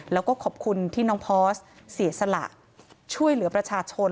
แล้วก็ขอบคุณที่น้องพอสเสียสละช่วยเหลือประชาชน